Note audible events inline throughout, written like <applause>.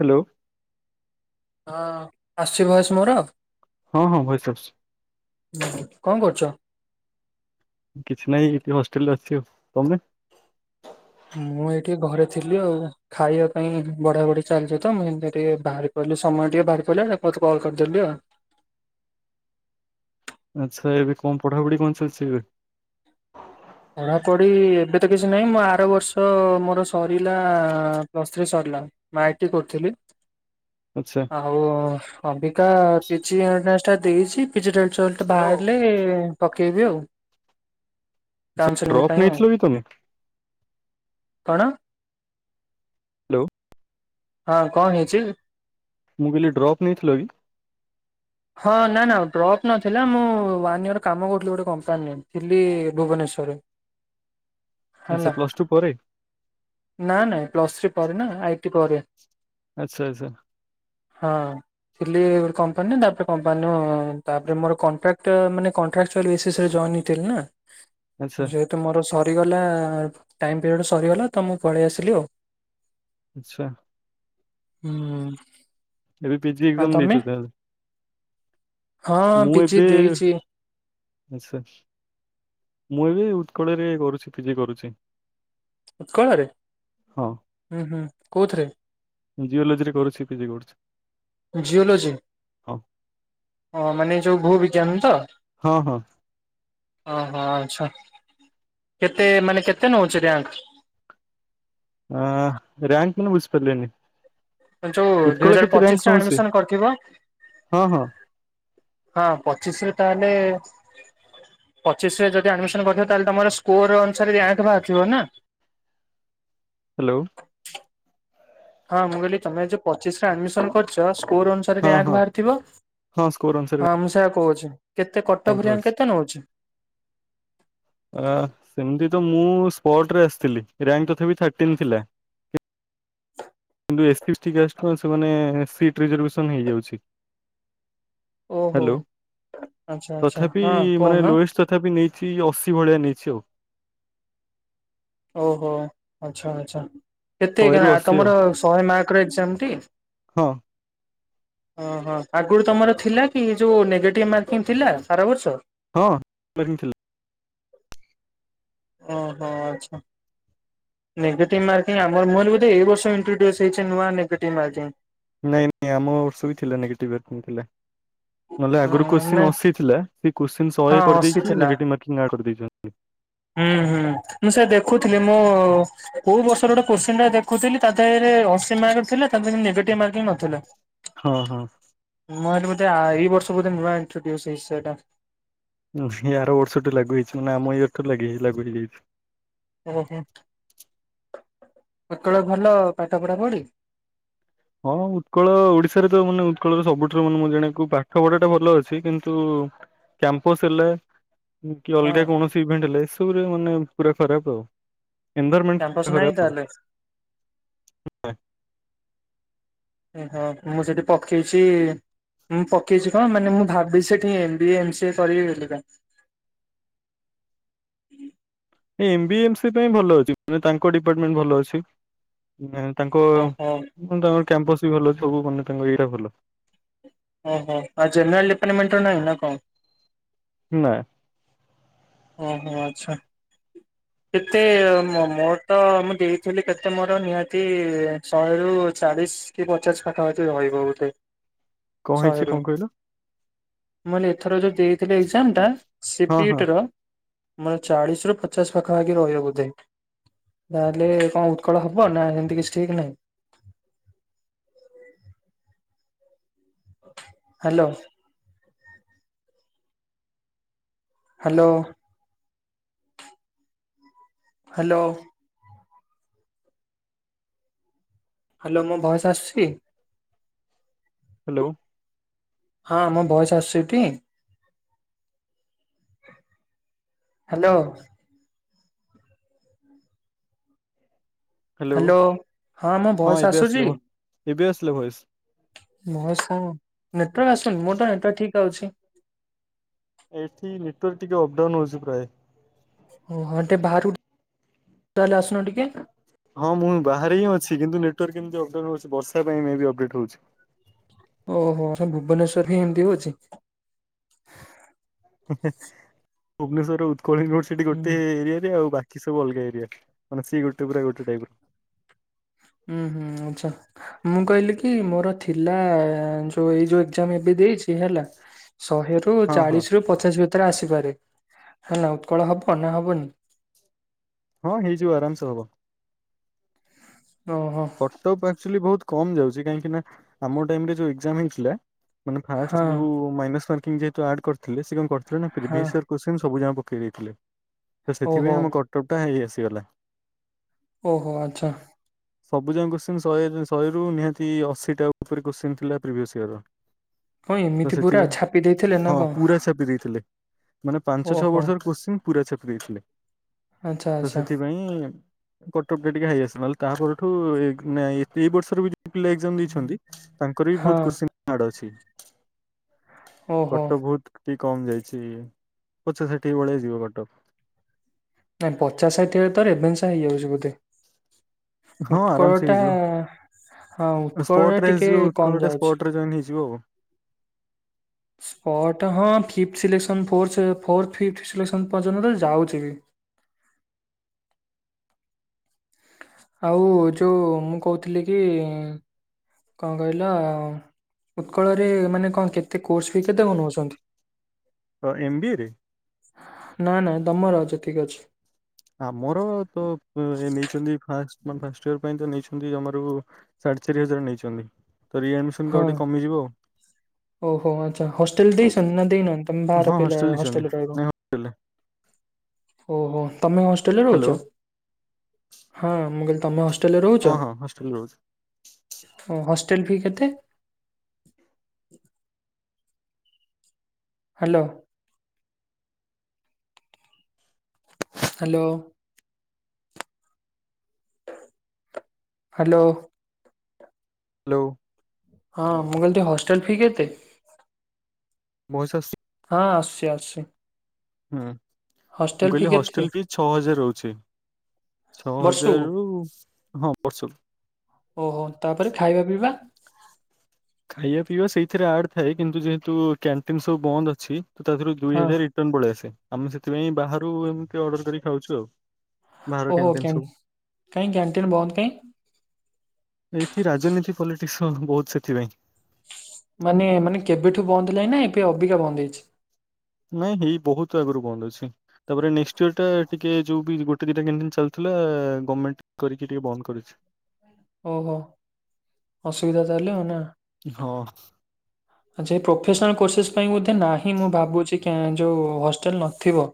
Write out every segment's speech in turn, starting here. Hello ହଁ ଆସିଛି ବୟସ ମୋର ଆଉ ହଁ ହଁ ଭଏସ ଆସୁଛି ହୁଁ କଣ କରୁଛ? କିଛି ନାହିଁ ଏଠି ହଷ୍ଟେଲରେ ଅଛି ଆ ତମେ ମୁଁ ଏଇଠିକେ ଘରେ ଥିଲି ଆଉ ଖାଇବା ପାଇଁ ବଢା ବଢି ଚାଲିଛି ତ ମୁଁ ଏମିତି ଟିକେ ବାହାରିି ସମୟ ଟିକେ ବାହାରି ପଡ଼ିଲ ମତେ କଲ କରିଦେଲି ଆ ଆଚ୍ଛା ଏବେ କଣ ପଢାପଢି କଣ ଚାଲିୁଛି ଏବେ? ପଢାପଢି ଏବେ ତ କିଛି ନାହିଁ ମୁଁ ଆର ବର୍ଷ ମୋର ସରିଲା ପ୍ଲସ୍ ଥ୍ରୀ ସରିଲା । ମା ଆଇଟି କରୁଥିଲି ଆଚ୍ଛା। । ଆଉ ଅମ୍ବିକା କିଛିଣ୍ଟସ ଟା ଦେଇଛି <unintelligible> କିଛି ରେଜେଲତ ହ୍ୟାଲୋ। ବାହାରିଲେ ପକେଇବି ଆଉ ଆଛା କାଉନସେଲିଂ ରକ ପାଇଁ ଆଉ ନାଇଠ ଲ ବିି ତମେ? କଣ? ହ୍ୟାଲୋ ହଁ କଣ ହେଇଛି? ମୁଁ କହିଲି ଡ୍ରପ୍ ନେଇଥିଲ କି? ହଁ ନା ନା ଡ୍ରପ୍ ନଥିଲା ମୁଁ ଇଅର କାମ କରୁଥିଲି ଗୋଟେ କମ୍ପାନୀରେ ଥିଲି ଭୁବନେଶର ବିଷରେ <unintelligible> ଆଚ୍ଛା ହେଲା ପ୍ଲସ ଟୁ ପରେ ନା ନାଇଁ ପ୍ଲସ୍ ଥ୍ରୀ ପରେ ନା ଆଇ ଆଚ୍ଛା ଆଚ୍ଛା । ଗ କମ୍ପାନୀ ତା <unintelligible> ହଁାନରେ ମୋରାକ୍ଇ ନା ଆଚ୍ଛା <unintelligible> ଯଉ ତୁମର ସରିଗଲା ଟାଇମ୍ ପିରିୟଡ଼ ସରିଗଲା ତ ମୁଁ ପଳେଇ ଆସିଲି ଆଉ ଆଛା । ହୁଁ ଏବେ ପିଜି ଆଉ ଏକ୍ଜାମ ତମେ ନେଇଛୁ ତ ହଁ ମୁଁ ପିଜି ଏବେ ଦେଇଛି ଆଛା। ମୁଁ ଏ ବି ଉତ୍କଳ ରେ କରୁଛି ପିଜି କରୁଛି। ଉତ୍କଳରେ ହୁଁ ହୁଁ କୋଉଥିରେ? ଜିଓଲୋଜି ରେ କରୁଛି ପିଜି କରୁଛି। ଜିଓଲୋଜି ହଁ ହଁ ମାନେ ଯୋଉ ଭୂ ବିଜ୍ଞାନରେ ତ। ହଁ ହଁ। ଅ ହ ଆଛା। କେତେ ମାନେ କେତେ ନଉଛି ରିଆଙ୍କ? ହ ରିଆଙ୍କ ମାନେ ବୁଝିପାରିଲିନି। ଯୋଉ ଦୁଇ ହଜାର ପଚିଶରେ ଆଡମିନ କରିଥିବ। ହଁ ହଁ ହଁ ପଚିଶ ରେ ତାହେଲେ ପଚିଶରେ ଯଦି ଆଡମିନ କରିିବ ତାହଲେ ତମର ସ୍କୋର ଅନୁସାରେ ରାଆଙ୍କ ବାହାରୁଥିବ ନା? <inaudible> ହ୍ୟାଲୋ। ହଁ ମୁଁ କହିଲି ତମେ ଯୋଉ ପଚିଶ ରେ ଆଡମିସନ କରିଛ। କୋର ଅନୁସାରେ ହଁ ହଁ ରିଆଙ୍କ ବାହାରିଥିବ ହଁ ସ୍କୋର ଅନୁସାରେ ହଁ ମୁଁ ସେୟଆ କହୁଛି। କେତେ କଟଅଫ୍ ରାଙ୍କ <unintelligible> ଅ କେତେ ନଉଛି? ସେମିତି। ତ ମୁଁ ସ୍ପୋର୍ଟ ରେ ଆସିଥିଲି ରିଆଙ୍କ ତଥାପି ଥାର୍ଟିନ୍ ଥିଲା। କିନ୍ତୁ ଏସ୍ ପିସ୍ଟି ଗାଷ୍ଟ କ ସେମାନେ ସିଟ୍ ରିଜର୍ଭେସନ୍ ହେଇଯାଉଛି। ଓହୋ ହ୍ୟାଲୋ ଆଚ୍ଛା ଆଚ୍ଛା ତଥାପି ହଁ ମାନେ କହୁନ ଲୋଏସ ତଥାପି ନେଇ ଛି ଅଶୀ ଭଳିଆ ନେଇଛି ଆଉ। ଓହୋ ଆଚ୍ଛା ଆଛା କେତେ ଶହେରୁ ଅଶୀ ଆଉ ତମର ଶହେ ମାର୍କ ର ଏକ୍ଜାମ ଟି? ହଁ। ଓହୋ ଆଗରୁ ତମର ଥିଲା କି ଯୋଉ ନେଗେଟିଭ ମାର୍କିଂ ଥିଲା ଆର ବର୍ଷ? ହଁ ମର୍କିଂ ଥିଲା। ଓ ହୋ ଆଚ୍ଛା। ନେଗେଟିଭ ମାର୍କିଂ ଆମର ମୁ ଭାବିଲି ବୋଧେ ଏଇ ବର୍ଷ ଇଣ୍ଟ୍ରୋଡ୍ୟୁସ ହେଇଛି ନୂଆ ନେଗେଟିଭ ମାର୍କିଂ। ନାଇଁ ନାଇଁ ଆମ ବର୍ଷ ବି ଥିଲା ନେଗଟିଭ ମାର୍କିଙ୍ଗ ଥିଲା। ନହେଲେ ଆଗରୁ ହଁ କୋଶ୍ଚି ନାଇଁ ଅସି ଥିଲା। କୋଶ୍ଚିନ୍ ହଁ ସହେ ଅଶୀ କରିଦେଇକି ଥିଲା ନେଗେଟିଭ୍ ମାର୍କିଂ ଆଡ଼ କରିଦେଇଛନ୍ତି। ହୁଁ ହୁଁ ମୁଁ ସେ ଦେଖୁଥିଲି ମୁଁ କୋଉ ବର୍ଷର ଗୋଟେ କୋସ୍ଚିନ ଟା ଦେଖୁଥିଲି ତା ଦେହରେ ଅଶୀ ମାର୍କ ଥିଲା ତା ଦେହରେ ନେଗେଟିଭ ମାର୍କିଂ ନଥ ହଁ ହଁ। ମୁଁ ଭାବିଲି ବୋଧେ ଏଇ ବର୍ଷ ବୋଧେ ନୂଆ ଇଣ୍ଟ୍ରଡ୍ୟୁସ୍ ହେଇଚି ସେୟଟା। ଆର ବର୍ଷଠୁ ଲାଗୁ ହେଇଛି ମାନେ ଆମ ଇଅର୍ ଠୁ ଲାଗି ଲାଗୁ ହେଇଯାଇଛି। ଓହୋ ହେତେବେଳେଭଲ ପାଠ ପଢା ପଢି। ହଁ ଉତ୍କଳ ଓଡିଶାରେ ତ ମାନେ ଉତ୍କଳର ସବୁଠାରୁ ମାନେ ମୁ ଜଣ ପାଠ ପଢା ଟା ଭଲ ଅଛି କିନ୍ତୁ କ୍ୟାପ୍ସସ ହେଲେ କି ହଁ ଅଲଗା କୌଣସି ଇଭେଣ୍ଟ ହେଲେ ଏସବୁରେ ମାନେ ପୁରା ଖରାପ କ୍ୟାମ୍ପସ ନାହିଁ ଆଉ। ତାହେଲେ <unintelligible> ଓ ହଁ ମୁଁ ସେଠି ପକେଇଛି ମୁଁ ପକେଇଛି କଣ ମାନେ ମୁଁ ଭାବିଛି ସେଠି ଏମ ବିଏ ଏମ ସିଏ କରିବି ବୋଲିକା। ହୁଁ। M B A M C A ପାଇଁ ଭଲ ଅଛି ମାନ ତାଙ୍କ ଡିପାର୍ଟମେଣ୍ଟ ଭଲ ଅଛି ନା। ତାଙ୍କ ଓହୋ ତାଙ୍କର କ୍ୟାମ୍ପସ ବି ଭଲ ସବୁ ମାନେ ତାଙ୍କ ଏଇଟା ଭଲ। ଓହୋ ଆଉ ଜେନେରାଲ ଡିପାର୍ଟମେଣ୍ଟ ର ନାହିଁ ନା କଣ? ନା। ଓହୋ ଆଚ୍ଛା। କେତେ ମୋର ତ ମୁଁ ଦେଇଥିଲି କେତେ ମୋର ନିହାତି ଶହେରୁ ଚାଳିଶ କି ପଚାଶ ପାଖା ପାଖି ରହିବ ବୋଧେ। କଣ, ହେଇଛି କଣ କହିଲ? ଥର ଯୋଉ ଦେଇଥିଲି ଏଜାମ ଟା ହଁ ହଁ ସେପିଟିର ମରେ ଚାଳିଶରୁ ପଚାଶ ପାଖାପାଖି ରହିବା ବୋଧେ ନହେଲେ କଣ ଉତ୍କଳ ହବ ନା ସେମିତି କିଛି ଠିକ ନାହିଁ <inaudible> ହାଲୋ ହାଲୋ ହଲୋ ହାଲୋ ମୁଁ ଭୟସ ଆସୁଛି ହାଲୋ ହଁ ମୋ ବୟସ ଆସଚିଟି ହାଲୋ ହ୍ୟାଲୋ ହାଲୋ ହଁ ମୁଁ ଭଏସ ଏବେ ଆସୁଛି ଆସିଲା ଭ ଏବେ ଆସିଲା ଭଏସ। ମ ଶ ନେଟୱାର୍କ ଆସୁନ ମୋର ତ ନେଟୱାର୍ ଠିକ ଅଛି ଏଠି ନେଟୱାର୍କ ଟିକେ ଅପଡାଉନ୍ ହେଉଛି ପ୍ରାୟ ଓ ଟେ ବାହହାରଲେ ଆସୁନ ଟିକେ ହଁ ମୁଁ ବାହାରେ ହିଁ ଅଛି କିନ୍ତୁ ନେଟୱାର୍କ କେମିତି ଅପାଉ ହଉଛି ବର୍ଷା ପାଇଁ ଅପଡେଟ୍ ହଉଛି ଓହୋ ଭୁବନେଶ୍ୱର୍ ହି ଏମତି ହଉଛି ଭୁବନେଶ୍ରର ଉତ୍କଳ ୟୁନିଭର୍ସିଟି ହୁଁ ଗୋଟେ ଏରିଆରେ ଆଉ ବା କି ସବୁ ଅଲଗା ଏରିଆ, ମାନେ ସିଏ ଗୋଟେ ପୁରା ଗୋଟେ ଟାଇପ ର ହୁଁ ହୁଁ ଆଚଛା ମୁଁ କହିଲି କି ମୋର ଥିଲା ଯୋଉ ଏଇ ଯୋଉ ଏଜାମ ଏବେ ଦେଇଛି ହେଲା ଶହେ ର ହଁ ହଁ ଚାଳିଶ ରୁ ପଚାଶ ଭିତ ଆସିପାରେ ହେଲା ଉତ୍କଳ ହବ ନା ହବନି ହଁ ହେଇଯିବ ଆରାମସେ ହବ ଓହୋ କଟଅପ୍ ଆକଚୁଆଲି ବହୁତ କମ ଯାଉଛି କାହିଁକି ନା ଆମ ଟାଇମରେ ଯୋଉ ଏକ୍ଜାମ ହେଇଥିଲା ମାନେ ହଁ ଫାଷ୍ଟ ଯୋଉ ମାଇନସ୍ ମାର୍କିଂ ଯେହେତୁ ଆଡ୍ କରିଥିଲେ କଣ କରି ହଁ ପ୍ରିଭିସ୍ ୁ ପକେଇ ଦେଇଥିଲେ, ତ ଓହୋ ସେଥିପାଇଁ ଆମ କଟକ ଟା ହେଇ ଆସିଗଲା ଓହୋ ଆଚ୍ଛା ସବୁ ଯା କୋତ୍ସିନ୍ ଶହେ ଶହେରୁ ନିହାତି ଅଶୀଟା ଉପରେ କୋଶ୍ଚିନ ଥିଲା ପ୍ରିଭିଅସ୍ ଇୟର ର ହଁ ତ ଏମିତି ପୁରା ସେଥିପାଇଁ, ଛାପି ଦେଇଥିଲେ ନା ହଁ କଣ ପୁରୁରା ସେ ବିି ଦେଇଇଥିଲେ ମାନେ ପାଞ୍ଚ ଛଅ ଓହୋ ବର୍ଷର କୋଶ୍ଚିନ୍ ପୁରା ଛେପ ଦେଇଥିଲେ ଆଚ୍ଛା ତ ଆଚ୍ଛା ସେଥିପାଇଁ କଟପ ଟିକେ ହେଇଆସିବ ନହେଲେ ତାପରେ ଠୁ ଏଇ ବର୍ଷର ବି ଯୋଉ ପିଲା ଏଜାମ ଦେଇଛନ୍ତି ତାଙ୍କର ବି ବହୁତ ହଁ। କୋତ୍ସିନ ହାର୍ଡ ଅଛି ଓହୋ କଟ୍ଟଭୂତ କମ ଯାଇଛି, ପଛା ସେଠିକି ଭଳିେଇଆ ଯିବ କଟକ ନାଇଁ ପଚାଶ ଷାଠିଏ ତ ଏଭେନ୍ସ ହେଇଯାଉଛି ବୋଧେ ହଁ ଆରାମସେ ଉତ୍କଳଟା ହେଇଯିବ ହଁ ଉତ୍କଳ ସ୍ପଟ ଟା ରେ ଟିକେ ଆସିଯିବ ଉତ୍କଳ କମ ଟା ଯାଉଛି ସ୍ପଟ ରେ ଜଏନ ହେଇଯିବ ସ୍ପଟ ହଁ, ଫିପ୍ଥ ସିଲେସନ <unintelligible> ପଯ୍ୟନ୍ତ ଯାଉଛି <inaudible> ଆଉ ଯୋଉ ମୁଁ କହୁଥିଲି କି କଣ କହିଲା ଉତ୍କଳରେ ମାନେ କଣ କେତେ କୋର୍ସ ଫି କେତେ ବ ନଉଛନ୍ତି ଅ ଏମ ବିି ଏ ରେ ନାଇ ନାଇଁ ଦମର ଅଛି ଠିକ ଅଛି ଆମର ତ ନେଇଛନ୍ତି ଫାନେ ଫାଷ୍ଟ ଇୟର ପାଇଁ ତ ନେଇ ଜମାରୁ ସାଢେ ଚାରି ହଜାର ନେଇଛନ୍ତି ତ ରି ଆଡମିସନ ହଁ କ ଆଉ ଟିକେ କମିଯିବ ଆଉ ଓହୋ ଆଚ୍ଛା ହଷ୍ଟେଲ ଦେଇଛନ ନା ଦେଇନ ତମେ ଆଉ ବାହାର ହଁ ପିଲ ହଷ୍ଟେଲ ଦେଇଛନ୍ତି ହଷ୍ଟେଲରେ ରହିବ ନାଇଁ ହଷ୍ଟେଲ ଓହୋ ତମେ ହଷ୍ଟେଲରେ ରହୁଛ, ହ୍ୟାଲୋ ହଁ ମୁଁ କହିଲି ତମେ ହେ ଟେଲ ରେ ରହୁଛ? ହଁ ହଁ ହଷ୍ଟେଲ ରହୁଛି ଟେଲଫି କେତେ? ହ୍ୟାଲୋ। ହ୍ୟାଲୋ। ହ୍ୟାଲୋ। ହ୍ୟାଲୋ। ହଁ ମଙ୍ଗଲ ତୋ ହଷ୍ଟେଲ ଫି କେତେ? ମଉସସ୍ ହଁ ଆସଚି ଆସୁଚି। ହୁଁ ମୁଁ କହିଲି ହଷ୍ଟେଲ ଫିସ୍ ଛଅ ହଜାର ରହୁଚି। ଛଅ ବର୍ଷକୁ ହଜାରରୁ ହଁ ବର୍ଷକୁ। ଓହୋ ତା ପରେ ଖାଇବା ପିଇବା? ଖାଇବା ପିଇବା ସେଇଥିରେ ଆଡ ଥାଏ। କିନ୍ତୁ ଯେହେତୁ କ୍ୟାଣ୍ଟିନ୍ ସବୁ ବନ୍ଦ ଅଛି। ତ ତା ଥିରୁ ଦୁଇ ହଁ ହଜାର ରିଟର୍ନ ପଳି ଆସେ। ଆ ମୁଁ ସେଥିପାଇଁ ବାହାର ରୁ ଏମିତି ଅଡର୍ କରି ଖାଉଚୁ ଆଉ ବାହାର ଓହୋ କାଣ୍ଟିନ୍ କ୍ୟା ସବୁ। କାହିଁ କ୍ୟାଣ୍ଟିନ ବନ୍ଦ କାହିଁ ଏଇଠି ରାଜନୀତି ପଲିଟିକ୍ସ ବହୁତ ସେଥିପାଇଁ। ମାନେ ମାନେ କେବେଠୁ ବନ୍ଦ ହେଲାଣି ନା ଏବେ ଅବିକା ବନ୍ଦ ହେଇଚି? ନାଇଁ ହେଇ ବହୁତ ଆଗରୁ ବନ୍ଦ ଅଛି। ତା ପରେ ନେଷ୍ଟ ଇୟର ଟା ଟିକେ ଯୋଉ ବି ଗୋଟେ ଦିଟା କ୍ୟାଣ୍ଟିନ ଚାଲିଥିଲ୍ ଲା ଗମେଣ୍ଟ କରିକି ଟିକେ ବନ୍ଦ କରିଚି। ଓହୋ ଅସୁବିଧା ତାହେଲେ ଆଉ ନା? ହଁ ଆଚ୍ଛା ପ୍ରପ୍ ଫେସ୍ନାଲ କୋର୍ସେସ୍ ପାଇଁ ବୋଧେ ନାହିଁ ମୁଁ ଭାବୁଚି କେଁ ଯୋଉ ହଷ୍ଟେଲ ନଥିବ।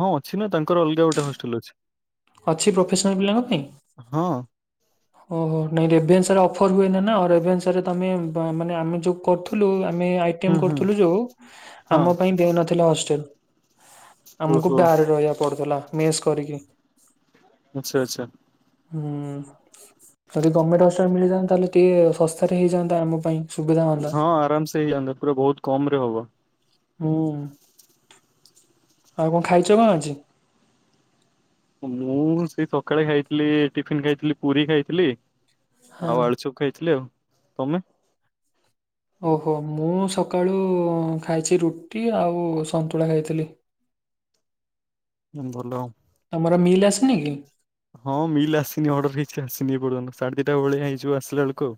ହଁ ଅଛି ନା ତାଙ୍କର ଅଲଗା ଗୋଟେ ହଷ୍ଟେଲ ଅଛି। ଅଛି ପ୍ରଫେସନାଲ ପିଲାଙ୍କ ପାଇଁ? ହଁ ଓହୋ ନାଇଁ ରେଭେନ୍ସାରେ ଅଫର ହୁଏ ନା ଆଉ ରେଭେନ୍ସା ରେ ତ ଆମେ ବ ମାନେ ଆମେ ଯୋଉ କରୁଥିଲୁ। ମେଁ ଆଇ କେମ୍ ହୁଁ ହୁଁ କରୁଥିଲୁ ଯୋଉ ହଁ ଆମ ପାଇଁ ଦେଉନଥିଲା ହଷ୍ଟେଲ। ଆମକୁ ଓହୋ ବାହାରେ ରହିଆକୁ ପଡୁଥିଲା ମେସ୍ କରିକି। ଆଚ୍ଛା ଆଚ୍ଛା। ହୁଁ ଯଦି ଗମେଣ୍ଟ ହଷ୍ଟେଲ ମିଳିଯାନ୍ତା। ତାହେଲେ ଟିଏ ଶସ୍ତାରେ ହେଇଯାନ୍ତା ଆମ ପାଇଁ। ସୁବିଧା ହୁଅନ୍ତା। ହଁ ଆରାମ ସେ ହେଇଯାନ୍ତା ପୁରା ବହୁତ କମ୍ ରେ ହବ। ହୁଁ ଆଉ କଣ ଖାଇଚ କଣ ଆଜି? ମୁଁ ସେଇ ସକାଳେ ଖାଇଥିଲି ଟିଫିନ୍ ଖାଇଥିଲି ପୁରୀ ଖାଇଥିଲି। ଆଉ ହଁ। ଆଳୁ ଚପ୍ ଖାଇଥିଲି ଆଉ। ତମେ? ଓହୋ ମୁଁ ସକାଳୁ ଖାଇଚି ରୁଟି ଆଉ ସନ୍ତୁଳା ଖାଇଥିଲି। ଭଲ। ତମର ମିଲ୍ ଆସିନି କି? ହଁ ମିଲ୍ ଆସିନି ଅର୍ଡର ହେଇଚି ଆସିନି ଏପର୍ଯ୍ୟନ୍ତ। ସାଢ଼େ ଦିଟା ଭଳିଆ ହେଇଯିବ ଆସିଲା ବେଳକୁ ଆଉ।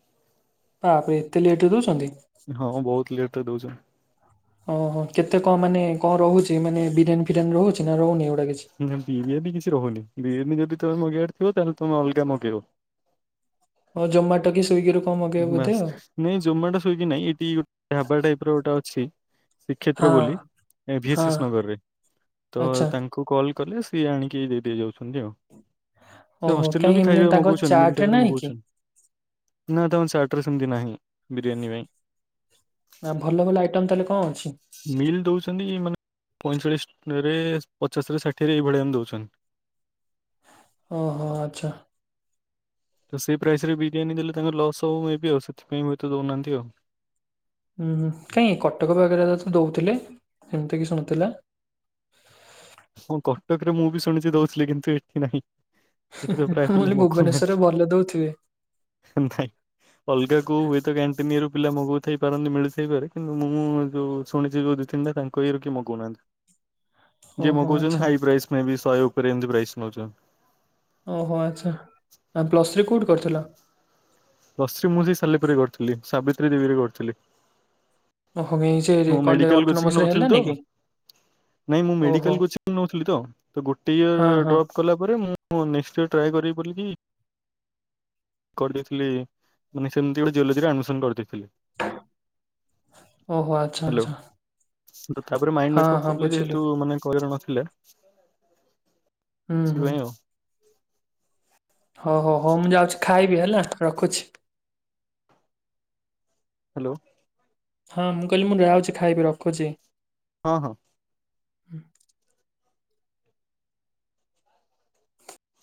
ବାପରେ ଏତେ ଲେଟ୍ ରେ ଦଉଛନ୍ତି? ହଁ ବହୁତ ଲେଟ ରେ ଦଉଚ। ଓହୋ କେତେ କଣ ମାନେ କଣ ରହୁଚି। ମାନେ ବିରିୟାନି ଫିରିୟାନ୍ ରହୁଚି ନା ରହୁନି ଏ ଗୋ। ନା ବିରିୟାନୀ କିଛି ରହୁନି। ବିରିୟାନୀ ଯଦି ତମେ ମଗେଇବାର୍ ଥିବ ତାହେଲେ ତୁମେ ଅଲଗା ମଗେଇବ। ହଁ ଜମାଟ କି ସ୍ଵିଗି ରୁ। ବାସ ନାଇଁ ଜୋମାଟୋ ସ୍ଵିଗି ନାଇଁ ଏଇଠି ଗୋଟେ ଢବା ଟାଇପର ଗୋଟେ ଅଛି। ଶ୍ରୀକ୍ଷେତ୍ର ହଁ ବୋଲି ଏ ହଁ ଭିଏସେସ୍ ନଗରରେ ତ ଆଚ୍ଛା ତାଙ୍କୁ କଲ୍ କଲେ। ସିଏ ଆଣିକି ଦେଇ ଦେଇ ଯାଉଚନ୍ତି ଆଉ। ସେ ଓହୋ ହଷ୍ଟେଲ ରୁ କାହିଁ ବି ଏମିତି ଖାଇବା ତାଙ୍କର ମଗଉଚନ୍ତି ମିଲ ଚାର୍ଟରେ ଟାଇପର୍ ନାହିଁ କି? ମଗୁଚନ୍ତି। ଚାର୍ଟ ରେ ସେମିତି ନାହିଁ ବିରିୟାନୀ ପାଇଁ। ନା ଭଲ ଭଲ ଆଇଟମ୍ ତାହେଲେ କଣ? ଅଛି? ମିଲ୍ ଦଉଚନ୍ତି ମାନେ ପଇଁଚାଳିଶ ରେ ପଚାଶରେ ଷାଠିଏ ରେ ଏଇ ଭଳିଆ ଏମ ଦଉଚନ୍ତି। ଓ ହୋ ଆଚ୍ଛା । ତ ସେ ପ୍ରାଇସରେ ବିରିୟାନୀ ଦେଲେ ତାଙ୍କର ଲସ୍ ହଉ ମେ ବି ଆଉ ସେଥିପାଇଁ ହୁଏତ ଦଉନାହାନ୍ତି ଆଉ । ହୁଁ ହୁଁ କାଇଁ କଟକ ପାଖରେ ତ ଦଉଥିଲେ ସେମିତି କିଛି ନଥିଲା। ତା ପାଖରେ ମୁଁ ବି ଶୁଣିଛି ଦଉଥିଲେ କିନ୍ତୁ ଏଠି ନାହିଁ ଏଥିରେ ମୁଁ ପୁରା ପିଲା କହିଲି ଭୁବନେଶ୍ଵରରେ ଲୋକନାହାନ୍ତି ଭଲ ଦଉଥିବେ । ନାହିଁ। ଅଲଗା କୋଉ ହୁଏତ କ୍ୟାଣ୍ଟିଁ ଇୟେ ରୁ ପିଲା ମଗଉଥାଇ ପାରନ୍ତି ମିଳିଥାଇ ପାରେ କିନ୍ତୁ ମୁଁ ଯୋଉ ଶୁଣିଛି ଯୋଉ ଦି ତିନି ଟା ତାଙ୍କ ଇୟେ ରୁ କିଏ ମଗଉନାହାନ୍ତି । ଯିଏ ଓହୋ ମଗଉଛନ୍ତି ଆଚ୍ଛା। ହାଇ ପ୍ରାଇସ ମେ ବି ଶହେ ଉପରେ ଏମିତି ପ୍ରାଇସ ନଉଛନ୍ତି । ଓହୋ ଆଚ୍ଛା । ଆ ପ୍ଲସ ଥ୍ରୀ କୋଉଠୁ କରିଥିଲ? ପ୍ଲସ ଥ୍ରୀ ମୁଁ ସେଇ ସାଲେପୁରରେ କରିଥିଲି । ସାବିତ୍ରୀ ଦେବୀରେ କରୁଥିଲି । ଓହୋ ଏଇ ସେ ମୁଁ କଲେ ମେଡିକାଲ କୋଚିଂ ଅଟୋନମସ ରେ ନଉଥିଲି ତ ହେଲାନି କି । ନାଇଁ ମୁଁ ଓହୋ ମେଡିକାଲ କୋଚିଂ ନଉଥିଲି ତ । ତ ଗୋଟେ ହଁ ଇୟର୍ ହଁ। ଡ୍ରପ କଲା ପରେ ମୁଁ ମୁଁ ନେକ୍ସଟ୍ ଇୟର ଟ୍ରାଏ କରିବି ବୋଲି କି କରିଦେଇଥିଲି । ମାନେ ସେମତି ଗୋଟେ ଜିୟୋଲଜୀ ଆଡମିସନ୍ କରିଦେଇ ଓହୋ ଆଚ୍ଛା ହ୍ୟାଲୋ ଆଚ୍ଛା । ତାପରେ ମାଇଣ୍ଡ ମେକପ୍ କଲେ ଯେହେତୁ ମାନେ କରିବାର ନଥିଲା । ହୁଁ ହୁଁ । ହଉ ହଉ ହଉ ମୁଁ ଯାଉଛି ଖାଇବି ହେଲା ରଖୁଛି । ହ୍ୟାଲୋ । ହଁ‌, ମୁଁ କହିଲି ମୁଁ ଯାଉଛି ଖାଇବି ରଖୁଛି । ହଁ ହଁ । ହୁଁ ।